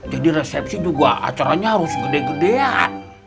jadi resepsi juga acaranya harus gede gedean